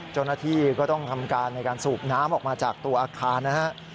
เจ้าหน้าที่ก็ต้องทำการในการสูบน้ำออกมาจากตัวอาคารนะฮะ